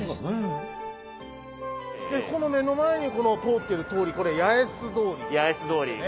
でこの目の前にこの通ってる通りこれ八重洲通りですよね。